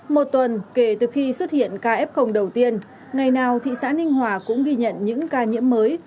một tuần kể từ khi xuất hiện ca f đầu tiên ngày nào thị xã ninh hòa cũng ghi nhận những ca nhiễm mới